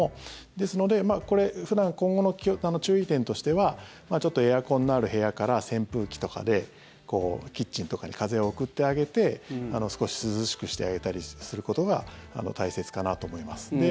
ですので普段、今後の注意点としてはちょっとエアコンのある部屋から扇風機とかでキッチンとかに風を送ってあげて少し涼しくしてあげたりすることが大切かなと思います。